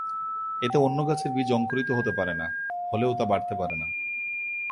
এতে অন্য গাছের বীজ অঙ্কুরিত হতে পারে না, হলেও তা বাড়তে পারে না।